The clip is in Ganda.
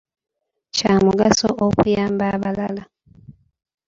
Kya mugaso okuyamba abalala.